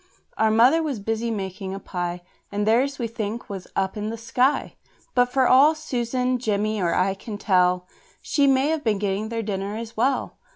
Our mother was busy making a pie, And theirs, we think, was up in the sky; But for all Susan, Jemmy, or I can tell, She may have been getting their dinner as well.